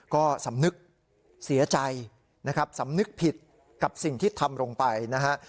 ก็สำนึกเสียใจสำนึกผิดกับสิ่งที่ทำลงไป